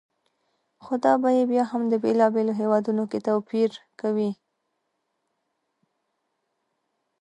خو دا بیې بیا هم بېلابېلو هېوادونو کې توپیر کوي.